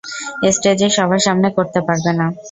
স্টেজে সবার সামনে করতে পারবে না।